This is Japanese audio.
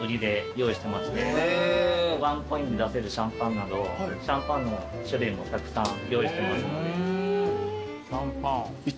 ワンコインで出せるシャンパンなどシャンパンの種類もたくさん用意してますので。